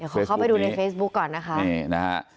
เดี๋ยวขอเข้าไปดูในเฟซบุ๊กก่อนนะฮะ